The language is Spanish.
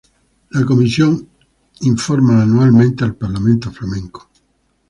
La Comisión se reporta anualmente al Parlamento Flamenco.